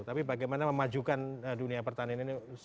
tapi bagaimana memajukan dunia pertanian ini